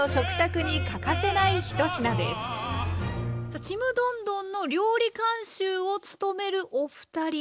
さあ「ちむどんどん」の料理監修を務めるお二人。